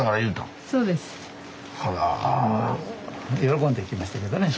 喜んで行きましたけどね。